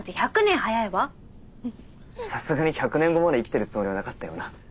さすがに１００年後まで生きてるつもりはなかったよな。